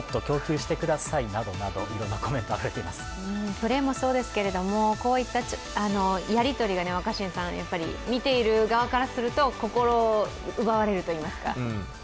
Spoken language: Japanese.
プレーもそうですけど、こういったやりとりが見ている側からすると、心を奪われるといいますか。